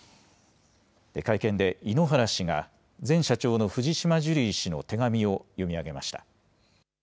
会見で井ノ原氏が、前社長の藤島ジュリー氏の手紙を読み上げました。